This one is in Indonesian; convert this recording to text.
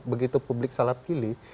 begitu publik salah pilih